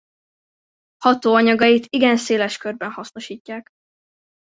Hatóanyagait igen széles körben hasznosítják.